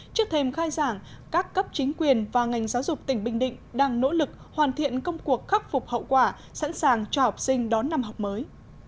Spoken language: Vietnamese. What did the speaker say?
trước thêm khai giảng các cấp chính quyền và ngành giáo dục tỉnh bình định đang nỗ lực hoàn thiện công cuộc khắc phục hậu quả sẵn sàng cho học sinh đón năm học mới